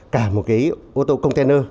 cả một cái ô tô container